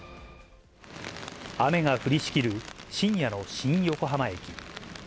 雨が降りしきる深夜の新横浜駅。